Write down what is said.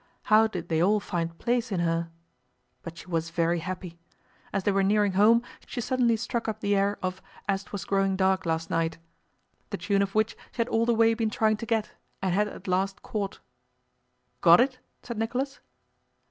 How did they all find place in her? But she was very happy. As they were nearing home she suddenly struck up the air of As 'twas growing dark last night—the tune of which she had all the way been trying to get and had at last caught. "Got it?" said Nicholas.